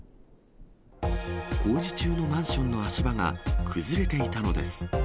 工事中のマンションの足場が崩れていたのです。